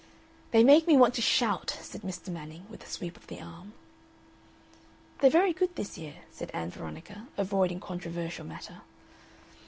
"They make me want to shout," said Mr. Manning, with a sweep of the arm. "They're very good this year," said Ann Veronica, avoiding controversial matter.